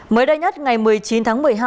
mới đây nhất ngày một mươi chín tháng